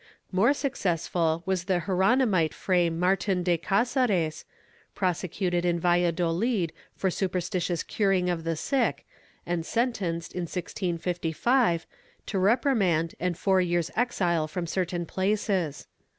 * More successful was the Geronimite Fray Martin de Cazares, prosecuted in Valladolid for superstitious curing of the sick and sentenced, in 1655, to reprimand and four years' exile from certain places.